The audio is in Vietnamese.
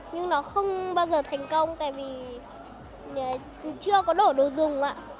nhưng nó không bao giờ thành công tại vì chưa có đủ đồ dùng ạ